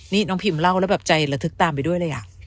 นี่น้องพิมเล่าแล้วแบบใจระทึกตามไปด้วยเลย